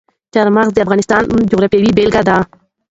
چار مغز د افغانستان د جغرافیې بېلګه ده.